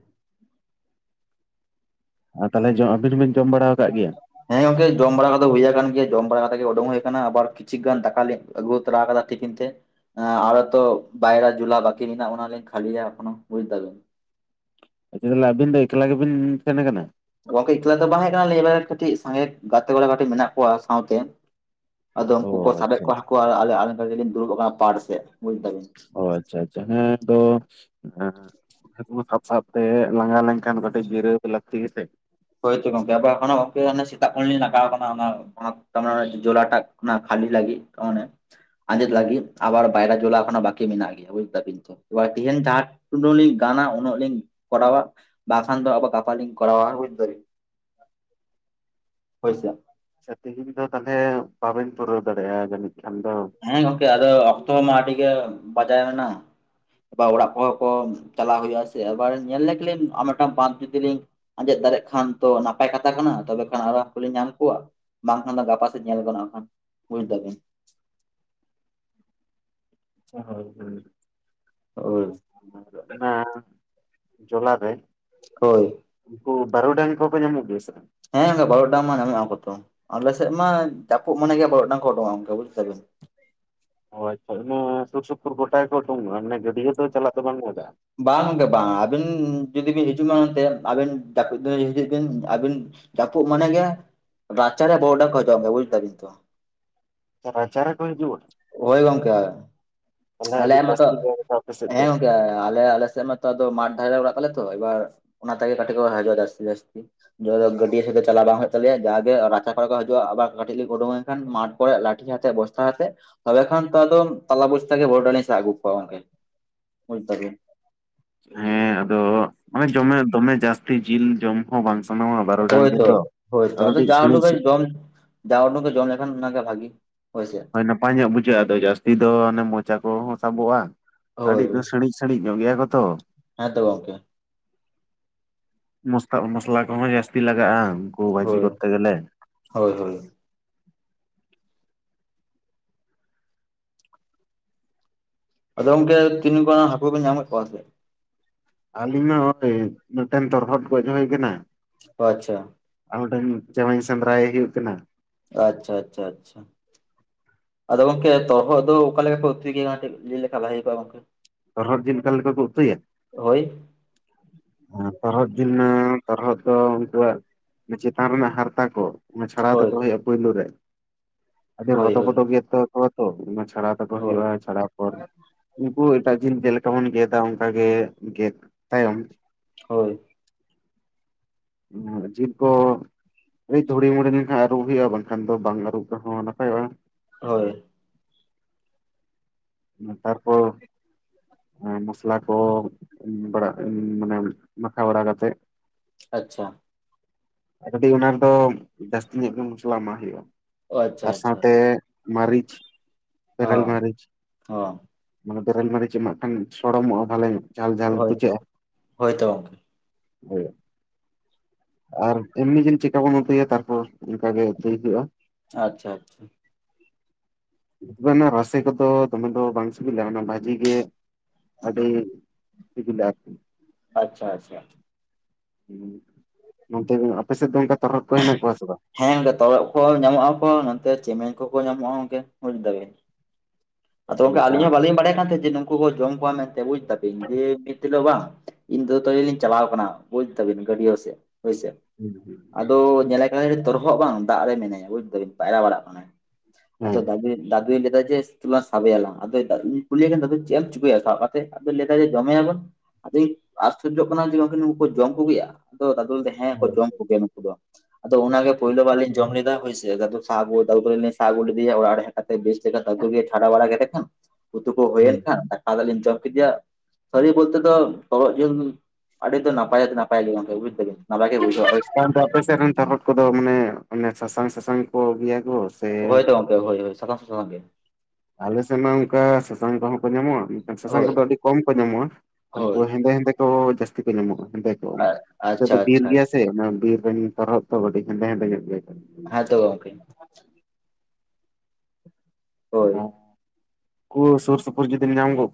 ᱟᱨ ᱛᱟᱦᱚᱞᱮ ᱡᱚᱢ ᱟᱵᱤᱱ ᱦᱚᱸᱵᱤᱱ ᱡᱚᱢ ᱵᱟᱲᱟ ᱟᱠᱟᱫ ᱜᱮᱭᱟ, ᱦᱮᱸ ᱜᱚᱝᱠᱮ ᱡᱚᱢ ᱵᱟᱲᱟ ᱠᱚᱫᱚ ᱦᱩᱭ ᱟᱠᱟᱱ ᱜᱮᱭᱟ ᱡᱚᱢ ᱵᱟᱲᱟ ᱠᱟᱛᱮᱜ ᱜᱮ ᱩᱰᱩᱝ ᱦᱩᱭ ᱟᱠᱟᱱᱟ ᱟᱵᱟᱨ ᱠᱤᱪᱷᱩ ᱜᱟᱱ ᱫᱟᱠᱟᱞᱤ, ᱟᱹᱜᱩ ᱛᱟᱨᱟ ᱟᱠᱟᱫᱟ ᱴᱤᱯᱤᱱ ᱛᱮ, ᱟᱨ ᱛᱚ ᱵᱟᱭᱨᱟ ᱡᱩᱞᱟ ᱵᱟᱹᱠᱤ ᱢᱮᱱᱟᱜ ᱟ ᱚᱱᱟ ᱞᱤᱧ ᱠᱷᱟᱹᱞᱤᱭᱟ ᱮᱠᱷᱚᱱᱳ ᱵᱩᱡ ᱮᱫᱟᱵᱤᱱ, ᱟᱪᱪᱷᱟ ᱛᱟᱦᱚᱞᱮ ᱟᱵᱤᱱ ᱫᱚ ᱮᱠᱞᱟ ᱜᱮᱵᱤᱱ ᱥᱮᱱ ᱟᱠᱟᱱᱟ᱾ ᱜᱚᱝᱠᱮ ᱮᱠᱞᱟ ᱜᱮ ᱛᱟᱸᱦᱮ ᱠᱟᱱᱟ ᱞᱤᱧ ᱢᱟᱱᱮ ᱠᱟᱹᱴᱤᱡ ᱥᱟᱸᱜᱮ ᱜᱟᱛᱮ ᱠᱚᱲᱟ ᱠᱟᱹᱴᱤᱡ ᱢᱮᱱᱟᱜ ᱠᱚᱣᱟ ᱥᱟᱶᱛᱮ᱾ ᱟᱫᱚ ᱚ ᱩᱱᱠᱩ ᱠᱚ ᱥᱟᱵᱮᱫ ᱟᱪᱪᱷᱟ ᱠᱚᱣᱟ ᱦᱟᱹᱠᱩ ᱟᱫᱚ ᱟᱹᱞᱤᱧ ᱠᱟᱹᱴᱤᱡ ᱞᱤᱧ ᱫᱩᱲᱩᱵ ᱟᱠᱟᱱᱟ ᱯᱟᱲ ᱥᱮᱫ ᱵᱩᱡ ᱫᱟᱵᱤᱱ, ᱚ ᱟᱪᱪᱷᱟ ᱟᱪᱪᱷᱟ ᱦᱮᱸ ᱛᱳ ᱦᱟᱹᱠᱩ ᱥᱟᱵ ᱥᱟᱵ ᱛᱮ ᱞᱟᱸᱜᱟ ᱞᱮᱱᱠᱷᱟᱱ ᱠᱟᱹᱴᱤᱡ ᱜᱤᱨᱟᱹᱣ ᱫᱚ ᱞᱟᱹᱠᱛᱤ ᱜᱮ ᱥᱮ, ᱦᱳᱭᱛᱚ ᱜᱚᱝᱠᱮ ᱟᱵᱟᱨ ᱮᱠᱷᱳᱱᱚ ᱜᱚᱝᱠᱮ ᱥᱮᱛᱟᱜ ᱠᱷᱚᱱ ᱞᱤᱧ ᱞᱟᱜᱟᱣ ᱟᱠᱟᱱᱟ ᱚᱱᱟ ᱥᱟᱵ ᱠᱟᱜ ᱢᱮ ᱡᱚᱞᱟ ᱴᱟᱜ ᱚᱱᱟ ᱠᱷᱟᱞᱤ ᱞᱟᱜᱤᱫ ᱚᱱᱮ ᱟᱸᱫᱮᱫ ᱞᱟᱹᱜᱤᱫ ᱟᱵᱟᱨ ᱵᱟᱭᱨᱟ ᱡᱚᱞᱟ ᱮᱠᱷᱳᱱᱚ ᱵᱟᱠᱤ ᱢᱮᱱᱟᱜ ᱜᱮᱭᱟ ᱵᱩᱡ ᱫᱟᱵᱤᱱ ᱛᱚ᱾ ᱮᱵᱟᱨ ᱛᱮᱦᱮᱧ ᱡᱟᱸᱦᱟ ᱴᱩᱞᱩᱝ ᱞᱤᱧ ᱜᱟᱱᱟ ᱩᱱᱟᱹᱜ ᱞᱤᱧ ᱠᱚᱨᱟᱣᱟ᱾ ᱵᱟᱥᱟᱱ ᱫᱚ ᱜᱟᱯᱟ ᱞᱤᱧ ᱠᱚᱨᱟᱣ ᱟ ᱵᱩᱡ ᱮᱫᱟ ᱵᱤᱱ ᱦᱚᱭ ᱥᱮ, ᱟᱪᱪᱷᱟ ᱛᱤᱦᱤᱧ ᱫᱚ ᱛᱟᱦᱚᱞᱮ ᱵᱟᱵᱤᱱ ᱯᱩᱨᱟᱹᱣ ᱫᱟᱲᱮᱭᱟᱜ-ᱟ, ᱡᱟᱹᱱᱤᱡ ᱠᱷᱟᱱ ᱫᱚ, ᱦᱮᱸ ᱜᱚᱢᱠᱮ ᱟᱫᱚ ᱚᱠᱛᱚ ᱢᱟ ᱟᱹᱰᱤ ᱜᱮ ᱵᱟᱡᱟᱣᱮᱱᱟ, ᱮᱵᱟᱨ ᱚᱲᱟᱜ ᱠᱚᱦᱚᱸ ᱠᱚ ᱪᱟᱞᱟᱣ ᱦᱩᱭᱩᱜ-ᱟ ᱥᱮ ᱮᱵᱟᱨ ᱧᱮᱞ ᱞᱮᱜᱮ ᱞᱤᱧ ᱟᱨ ᱢᱤᱫᱴᱟᱝ ᱵᱟᱸᱫᱷ ᱡᱩᱫᱤ ᱞᱤᱧ, ᱟᱸᱡᱮᱫ ᱫᱟᱲᱮᱜ ᱠᱷᱟᱱ ᱛᱚ ᱱᱟᱯᱟᱭ ᱠᱟᱛᱷᱟ ᱠᱟᱱᱟ ᱛᱚᱵᱮ ᱠᱷᱟᱱ ᱟᱨ ᱦᱚ ᱦᱟᱹᱠᱩ ᱞᱮ ᱧᱟᱢ ᱠᱚᱣᱟ᱾ ᱵᱟᱝᱠᱷᱟᱱ ᱫᱚ ᱜᱟᱯᱟ ᱥᱮᱫ ᱧᱮᱞ ᱜᱟᱱᱚᱜ ᱟ ᱵᱟᱝ ᱠᱷᱟᱱ ᱵᱩᱡ ᱮᱫᱟ ᱵᱤᱱ, ᱦᱳᱭ ᱛᱚᱵᱮ, ᱦᱳᱭ ᱚᱱᱟ ᱡᱚᱞᱟᱨᱮ, ᱦᱳᱭ, ᱩᱱᱠᱩ ᱵᱟᱨᱩᱰᱟᱝ ᱠᱚᱯᱮ ᱧᱟᱢᱮᱫ ᱠᱚᱣᱟ ᱥᱮ ᱵᱟᱝ, ᱦᱮᱸ ᱵᱟᱨᱚᱰᱟᱝ ᱢᱟ ᱧᱟᱢᱚᱜ ᱟᱠᱚ ᱛᱚ ᱟᱞᱮ ᱥᱮᱫ ᱢᱟ ᱡᱟᱯᱩᱜ ᱢᱟᱱᱮ ᱜᱮ ᱵᱟᱨᱚᱰᱟᱝ ᱠᱚ ᱩᱰᱚᱠᱚᱜ-ᱟ ᱜᱚᱝᱠᱮ ᱵᱩᱡᱷ ᱠᱮᱫᱟ ᱵᱤᱱ, ᱚ ᱟᱪᱪᱷᱟ ᱚᱱᱮ ᱥᱩᱨ ᱥᱩᱯᱩᱨ ᱜᱚᱴᱟ ᱜᱮᱠᱚ ᱚᱰᱩᱠᱚᱜ-ᱟ ᱢᱟᱱᱮ ᱜᱟᱹᱰᱤᱟᱹᱫᱚ ᱪᱟᱞᱟᱜ ᱫᱚ ᱵᱟᱝ, [inaudible] ᱵᱟᱝ ᱜᱚᱝᱠᱮ ᱵᱟᱝ ᱟᱹᱵᱤᱱ ᱡᱩᱫᱤ ᱵᱤᱱ ᱦᱤᱡᱩᱜᱢᱟ ᱮᱱᱛᱮ ᱟᱹᱵᱤᱱ ᱡᱟᱹᱯᱩᱫ ᱫᱤᱱ ᱦᱤᱡᱩᱜ ᱵᱤᱱ ᱟᱹᱵᱤᱱ, ᱡᱟᱹᱯᱩᱫ ᱢᱟᱱᱮ ᱜᱮ ᱨᱟᱪᱟᱨᱮ ᱵᱟᱨᱩᱰᱟᱝ ᱠᱚ ᱦᱤᱡᱩᱜ ᱟ ᱵᱩᱡ ᱮᱫᱟ ᱵᱤᱱ ᱛᱚ, ᱨᱟᱪᱟ ᱨᱮ ᱠᱚ ᱦᱤᱡᱩᱜ ᱟ, ᱦᱳᱭ ᱜᱚᱝᱠᱮ, ᱢᱟᱱᱮ ᱟᱞᱮ ᱟᱹᱰᱤ ᱢᱟᱛᱚ ᱡᱟᱹᱥᱛᱤ [inaudible] ‌ ᱟᱯᱮ ᱥᱮᱫ ᱦᱮᱸ ᱫᱚ, ᱜᱚᱝᱠᱮ ᱟᱞᱮ ᱟᱞᱮ ᱥᱮᱫ ᱢᱟᱛᱚ ᱢᱟᱴᱷ ᱫᱷᱟᱨᱮ ᱨᱮ ᱚᱲᱟᱜ ᱛᱟᱞᱮ ᱛᱚ ᱮᱵᱟᱨ ᱚᱱᱟ ᱛᱮᱜᱮ ᱠᱟᱹᱴᱤᱡ ᱠᱚ ᱦᱟᱹᱡᱩᱜ-ᱟ, ᱡᱟᱥᱛᱤ ᱡᱟᱥᱛᱤ, ᱡᱟᱭᱦᱩᱠ ᱜᱟᱹᱰᱭᱟᱹ ᱥᱮᱫ ᱫᱚ ᱪᱟᱞᱟᱣ ᱵᱟᱝ ᱦᱩᱭᱩᱜ ᱛᱟᱞᱮᱭᱟ ᱡᱟᱜᱮ ᱨᱟᱪᱟ ᱠᱚᱨᱮ ᱠᱚ ᱦᱟᱡᱩᱜ-ᱟ ᱟᱵᱟᱨ ᱠᱟᱹᱴᱤᱡ ᱞᱮ ᱩᱰᱩᱝ ᱮᱱᱠᱷᱟᱱ ᱢᱟᱴᱷ, ᱚᱠᱚᱭᱟᱜ ᱞᱟᱴᱷᱤ ᱟᱛᱮᱫ ᱵᱚᱥᱛᱟ ᱟᱛᱮᱫ ᱛᱚᱵᱮ ᱠᱷᱟᱱ ᱛᱚ ᱛᱟᱞᱟ ᱵᱚᱥᱛᱟ ᱜᱮ ᱵᱟᱨᱩᱰᱟᱝ ᱤᱧ ᱥᱟᱵ ᱟᱹᱜᱩ ᱠᱮᱠᱚᱣᱟ ᱜᱚᱝᱠᱮ, ᱵᱩᱡ ᱮᱫᱟ ᱵᱤᱱ᱾ ᱦᱮᱸ ᱟᱫᱚ ᱢᱟᱱᱮ ᱫᱚᱢᱮ ᱫᱚᱢᱮ ᱡᱟᱹᱥᱛᱤ ᱡᱤᱞ ᱡᱚᱢ, ᱦᱚᱸ ᱵᱟᱝ ᱥᱟᱱᱟᱣᱟ ᱵᱟᱨᱩᱰᱟᱝ ᱡᱤᱞ ᱦᱳᱭᱛᱚ ᱫᱚ ᱦᱳᱭᱛᱚ ᱟᱫᱚ ᱠᱟᱹᱴᱤᱡ ᱡᱟ ᱩᱰᱩᱠ ᱥᱤᱸᱲᱤᱡ ᱜᱮ ᱥᱤᱸᱲᱤᱡ, ᱡᱚᱢ ᱡᱟ ᱩᱰᱟᱹᱝ ᱜᱮ ᱡᱚᱢ ᱞᱮᱠᱷᱟᱱ ᱚᱱᱟᱜᱮ ᱵᱷᱟᱹᱜᱤ ᱦᱳᱭ ᱥᱮ, ᱱᱟᱯᱟᱭ ᱧᱚᱜ ᱵᱩᱡᱷᱟᱹᱜ-ᱟ, ᱟᱫᱚ ᱡᱟᱹᱥᱛᱤ ᱫᱚ ᱚᱱᱮ ᱢᱚᱪᱟ ᱠᱚᱦᱚᱸ ᱥᱟᱵᱚᱜ-ᱟ, ᱦᱳᱭ ᱟᱹᱰᱤᱡ ᱫᱚ ᱥᱤᱸᱲᱤᱡ, ᱥᱤᱲᱤᱡᱽ ᱧᱚᱜ ᱜᱮᱭᱟ ᱠᱚ ᱛᱚ, ᱦᱮᱸ ᱛᱚ ᱜᱚᱢᱠᱮ, ᱢᱚᱥ ᱢᱚᱥᱞᱟ ᱠᱚᱦᱚᱸ ᱡᱟᱹᱥᱛᱤ ᱞᱟᱜᱟᱜ-ᱟ, ᱩᱱᱠᱩ ᱵᱷᱟᱹᱡᱤ ᱦᱳᱭ ᱠᱚᱨᱛᱮ ᱜᱮᱞᱮ, ᱦᱳᱭ ᱦᱳᱭ, ᱟᱫᱚ ᱜᱚᱢᱠᱮ ᱛᱤᱱᱟᱹ ᱜᱟᱱ ᱦᱟᱹᱠᱩ ᱯᱮ ᱧᱟᱢ ᱠᱮᱫ ᱠᱚᱣᱟ ᱥᱮ, ᱟᱹᱞᱤᱧ ᱢᱟ ᱱᱚᱜ-ᱚᱭ ᱢᱤᱫᱴᱮᱱ ᱛᱚᱨᱦᱚᱫ ᱜᱚᱡ ᱦᱩᱭ ᱟᱠᱟᱱᱟ ᱾ ᱳ ᱟᱪᱪᱷᱟ, ᱟᱨ ᱢᱤᱫᱴᱮᱱ ᱪᱮᱢᱮᱧ ᱥᱮᱸᱫᱽᱨᱟᱭᱮ ᱦᱩᱭᱩᱜ ᱠᱟᱱᱟ᱾ ᱟᱪᱪᱷᱟ ᱟᱪᱪᱷᱟ ᱟᱪᱪᱷᱟ, ᱟᱫᱚ ᱜᱚᱝᱠᱮ ᱛᱚᱨᱚᱦᱚᱫ ᱫᱚ ᱚᱠᱟ ᱞᱮᱠᱟ ᱠᱚ ᱩᱛᱩᱭ ᱜᱮᱭᱟ ᱞᱟᱹᱭ ᱞᱮᱠᱷᱟᱱ ᱵᱷᱟᱹᱜᱤ ᱠᱚᱜ-ᱟ ᱜᱚᱝᱠᱮ, ᱛᱚᱨᱦᱚᱫ ᱡᱤᱞ ᱚᱠᱟ ᱞᱮᱠᱟ ᱠᱩ ᱩᱛᱩᱭᱟ? [inaudible] ᱛᱚᱨᱦᱚᱫ ᱡᱤᱞ ᱢᱟ ᱛᱚᱨᱦᱚᱫ ᱫᱚ ᱩᱱᱠᱩᱣᱟᱜ ᱪᱮᱛᱟᱱ ᱨᱮᱱᱟᱜ ᱦᱟᱨᱛᱟ ᱠᱚ ᱚᱱᱟ ᱪᱷᱟᱲᱟᱣ ᱦᱳᱭ ᱛᱟᱠᱚ ᱦᱩᱭᱩᱜᱼᱟ ᱯᱩᱭᱞᱩ ᱨᱮ ᱟᱰᱤ ᱦᱳᱭ ᱨᱚᱫᱚ ᱦᱳᱭ ᱵᱚᱫᱚ ᱜᱮ ᱛᱚ ᱠᱚᱣᱟ ᱛᱚ ᱚᱱᱟ ᱪᱷᱟᱲᱟ ᱛᱟᱠᱚ ᱦᱳᱭ ᱦᱩᱭᱩᱜᱼᱟ ᱪᱷᱟᱲᱟ ᱯᱚᱨ ᱩᱱᱠᱩ ᱮᱴᱟᱜ ᱡᱤᱞ ᱡᱮᱞᱮᱠᱟ ᱵᱚᱱ ᱜᱮᱫᱟ ᱚᱱᱠᱟ ᱜᱮ ᱜᱮᱫ ᱛᱟᱭᱚᱢ ᱦᱳᱭ᱾ ᱡᱤᱞ ᱠᱚ [unintelligible] ᱫᱷᱩᱲᱤ ᱢᱩᱲᱤ ᱞᱮᱱᱠᱷᱟᱱ ᱟᱹᱨᱩᱵ ᱦᱩᱭᱩᱜᱼᱟ ᱵᱟᱝᱠᱷᱟᱱ ᱫᱚ ᱵᱟᱝ ᱟᱹᱨᱩᱵ ᱨᱮᱦᱚᱸ ᱱᱟᱯᱟᱭᱚᱜᱼᱟ᱾ ᱦᱳᱭ᱾ ᱛᱟᱨᱼᱯᱚᱨ ᱢᱚᱥᱞᱟ ᱠᱚ [unintelligible] ᱢᱟᱱᱮ ᱢᱟᱠᱷᱟ ᱵᱟᱲᱟ ᱠᱟᱛᱮᱜ ᱟᱪᱪᱷᱟ ᱾ ᱟᱨ ᱠᱟᱴᱤ ᱚᱱᱟ ᱨᱮᱫᱚ ᱡᱟᱹᱥᱛᱤ ᱧᱚᱜ ᱜᱮ ᱢᱚᱥᱞᱟ ᱮᱢᱟᱜ ᱦᱩᱭᱩᱜᱼᱟ᱾ ᱚ ᱟᱪᱪᱷᱟ ᱟᱨ ᱥᱟᱶ ᱟᱪᱪᱷᱟ ᱛᱮ ᱢᱟᱹᱨᱤᱪ᱾ ᱵᱮᱨᱮᱞ ᱚ, ᱢᱟᱹᱨᱤᱪ ᱦᱚ᱾ ᱢᱟᱱᱮ ᱵᱮᱨᱮᱞ ᱢᱟᱹᱨᱤᱪ ᱮᱢᱟᱜ ᱠᱷᱟᱱ ᱥᱚᱲᱚᱢᱚᱜᱼᱟ ᱵᱷᱟᱞᱮ ᱡᱷᱟᱞ-ᱡᱷᱟᱞ ᱦᱳᱭᱛᱚ ᱵᱩᱡᱷᱟᱹᱜᱼᱟ᱾ ᱦᱳᱭᱛᱚ ᱜᱚᱝᱠᱮ [unintelligible] ᱟᱨ ᱮᱢᱱᱤ ᱡᱤᱞ ᱪᱮᱠᱟ ᱵᱚᱱ ᱩᱛᱩᱭᱟ ᱛᱟᱨᱯᱚᱨ ᱚᱱᱠᱟ ᱜᱮ ᱩᱛᱩᱭ ᱦᱩᱭᱩᱜᱼᱟ᱾ ᱟᱪᱪᱷᱟ, ᱟᱪᱪᱷᱟ᱾ ᱫᱚᱢᱮ ᱨᱟᱥᱮ ᱠᱚᱫᱚ ᱫᱚᱢᱮ ᱫᱚ ᱵᱟᱝ ᱥᱤᱵᱤᱞᱟ ᱚᱱᱟ ᱵᱷᱟᱡᱤ ᱜᱮ ᱟᱹᱰᱤ ᱥᱤᱵᱤᱞᱟ ᱟᱨ ᱠᱤ᱾ ᱟᱪᱪᱷᱟ, ᱟᱪᱪᱷᱟ᱾ [unintelligible] ᱟᱯᱮ ᱥᱮᱫ ᱫᱚ ᱚᱱᱠᱟ ᱛᱚᱨᱦᱚᱫ ᱠᱚ ᱦᱮᱱᱟᱜ ᱠᱚᱣᱟ ᱥᱮ ᱵᱟᱝ? ᱦᱮᱸ [unintelligible] ᱠᱚ ᱧᱟᱢᱚᱜᱼᱟ ᱠᱚ, ᱱᱚᱛᱮ ᱪᱮᱢᱮᱧ ᱠᱚᱠᱚ ᱧᱟᱢᱚᱜᱼᱟ ᱵᱩᱡ ᱫᱟᱵᱤᱱ᱾ ᱟᱫᱚ ᱜᱚᱝᱠᱮ ᱟᱪᱪᱷᱟ ᱟᱹᱞᱤᱧ ᱦᱚᱸ ᱵᱟᱞᱤᱧ ᱵᱟᱰᱟᱭ ᱠᱟᱱ ᱛᱟᱦᱮᱸᱫ ᱡᱮ ᱱᱩᱠᱩ ᱦᱚᱸ ᱡᱚᱢ ᱠᱚᱣᱟ ᱢᱮᱱᱛᱮ ᱵᱩᱡ ᱛᱟᱵᱤᱱ ᱫᱤᱭᱮ [unintelligible] ᱵᱟᱝ ᱤᱧ [unintelligible] ᱪᱟᱞᱟᱣ ᱟᱠᱟᱱᱟ ᱵᱩᱡ ᱫᱟᱵᱤᱱ ᱜᱟᱹᱰᱭᱟᱹ ᱥᱮᱡ ᱦᱳᱭ ᱥᱮ᱾ ᱦᱩᱸ, ᱦᱩᱸ᱾ ᱟᱫᱚ ᱧᱮᱞᱮ ᱛᱚᱨᱦᱚᱜ ᱵᱟᱝ ᱫᱟᱜ ᱨᱮ ᱢᱮᱱᱟᱹᱭᱟ ᱵᱩᱡ ᱫᱟ-ᱵᱤᱱ ᱯᱟᱭᱨᱟ ᱵᱟᱲᱟᱜ ᱠᱟᱱᱟᱭ, ᱟᱫᱚ ᱦᱮᱸ [unintelligible] [unintelligible] ᱥᱟᱵᱮᱭᱟ-ᱞᱟᱝ ᱟᱫᱚ [unintelligible] ᱪᱮᱫ ᱮᱢ ᱪᱤᱠᱟᱹᱭᱟ ᱥᱟᱵ [unintelligible] ᱡᱚᱢᱮᱭᱟ-ᱵᱚᱱ᱾ ᱟᱫᱚᱧ ᱟᱥᱪᱚᱨᱡᱚ ᱠᱟᱱᱟ ᱡᱮ ᱩᱱᱠᱩ ᱡᱚᱢ ᱠᱚᱜᱮᱭᱟ [unintelligible] ᱦᱮᱸ ᱠᱚ ᱦᱳᱭ ᱡᱚᱢ ᱟᱪᱪᱷᱟ ᱠᱚᱜᱮᱭᱟ ᱱᱩᱠᱩ ᱫᱚ ᱟᱫᱚ ᱚᱱᱟ ᱜᱮ ᱯᱳᱭᱞᱳ ᱵᱟᱨ ᱞᱤᱧ ᱡᱚᱢ ᱞᱮᱫᱟ᱾ [unintelligible] ᱥᱟᱵ ᱟᱜᱩ ᱞᱮᱫᱤᱭᱟ ᱚᱲᱟᱜ ᱨᱮ ᱵᱮᱥ [unintelligible] ᱪᱷᱟᱰᱟ ᱵᱟᱲᱟ ᱠᱮᱫᱮ ᱠᱷᱟᱱ ᱩᱛᱩ ᱠᱚ ᱦᱩᱸ ᱦᱩᱭᱮᱱ ᱠᱷᱟᱱ ᱫᱟᱠᱟ ᱫᱚ ᱞᱤᱧ ᱡᱚᱢ ᱠᱮᱫᱮᱭᱟ᱾ ᱥᱟᱹᱨᱤ ᱵᱚᱞᱛᱮ ᱛᱚ ᱛᱚᱨᱦᱚᱫ [unintelligible] ᱟᱹᱰᱤ ᱫᱚ ᱱᱟᱯᱟᱭ [unintelligible] ᱱᱟᱯᱟᱭ ᱜᱮ ᱜᱚᱝᱠᱮ ᱵᱩᱡ ᱫᱟᱵᱮᱱ᱾ ᱟᱯᱮ ᱥᱮᱫ ᱨᱮᱱ ᱛᱚᱨᱦᱚᱛ ᱠᱚᱫᱚ ᱢᱟᱱᱮ ᱚᱱᱮ ᱥᱟᱥᱟᱝ-ᱥᱟᱥᱟᱝ ᱠᱚ ᱜᱮᱭᱟ ᱠᱚ ᱥᱮ ᱦᱳᱭ ᱛᱚ ᱜᱚᱝᱠᱮ ᱦᱳᱭ-ᱦᱳᱭ ᱥᱟᱥᱟᱝ- ᱥᱟᱥᱟᱝ ᱜᱮ ᱟᱞᱮ ᱥᱮ ᱢᱟ ᱚᱱᱠᱟ ᱥᱟᱥᱟᱝ ᱠᱚᱦᱚᱸ ᱠᱚ ᱧᱟᱢᱚᱜ [unintelligible] ᱥᱟᱥᱟᱝ ᱦᱳᱭ ᱠᱚᱫᱚ ᱟᱹᱰᱤ ᱠᱚᱢ ᱠᱚ ᱧᱟᱢᱚᱜᱼᱟ᱾ ᱩᱱᱠᱩ ᱦᱳᱭ ᱦᱮᱸᱫᱮ- ᱦᱮᱸᱫᱮ ᱠᱚ ᱡᱟᱹᱥᱛᱤ ᱠᱚ ᱧᱟᱢᱚᱜᱼᱟ ᱦᱮᱸᱫᱮ ᱠᱚ, ᱟᱪᱪᱷᱟ ᱵᱤᱨ ᱟᱪᱪᱷᱟ ᱜᱮᱭᱟ ᱥᱮ ᱚᱱᱟ ᱵᱤᱨ ᱨᱮᱱ ᱛᱚᱨᱦᱚᱛ ᱛᱚ ᱟᱹᱰᱤ ᱦᱮᱸᱫᱮ-ᱦᱮᱸᱫᱮ ᱧᱚᱸᱜ ᱜᱮᱭᱟ ᱠᱚ᱾ ᱟᱫᱚ ᱜᱚᱝᱠᱮ ᱦᱳᱭ᱾ [unintelligible] ᱥᱩᱨ ᱥᱩᱯᱩᱨ ᱡᱩᱫᱤᱢ ᱧᱟᱢ ᱜᱳ